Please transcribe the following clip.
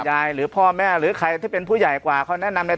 หรือพ่อแม่หรือใครที่เป็นผู้ใหญ่กว่าเขาแนะนำใน